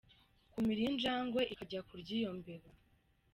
Kumira injangwe ikajya kurya iyo mbeba,.